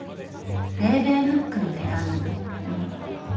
「レーベンフックの手紙」。